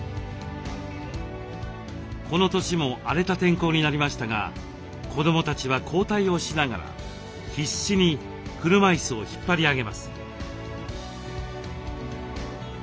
この年も荒れた天候になりましたが子どもたちは交代をしながら必死に車いすを引っ張り上げます。